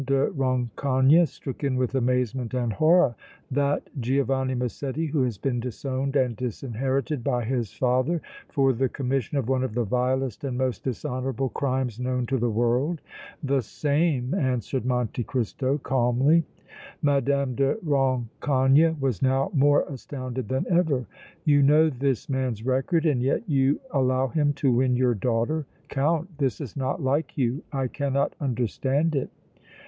de Rancogne, stricken with amazement and horror. "That Giovanni Massetti who has been disowned and disinherited by his father for the commission of one of the vilest and most dishonorable crimes known to the world?" "The same!" answered Monte Cristo, calmly. Mme. de Rancogne was now more astounded than ever. "You know this man's record and yet you allow him to win your daughter! Count, this is not like you! I cannot understand it!"